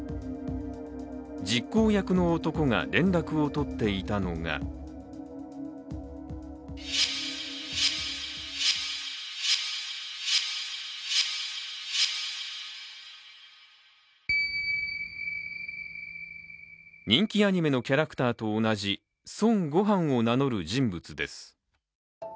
実行役の男が連絡を取っていたのが人気アニメのキャラクターと同じ孫悟飯を名乗る人物です。